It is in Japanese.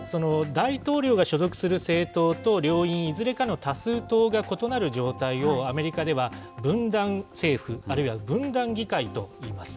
大統領が所属する政党と両院、いずれかの多数党が異なる状態を、アメリカでは分断政府、あるいは分断議会と言います。